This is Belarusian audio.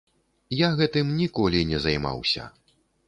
Я гэтым ніколі не займаўся.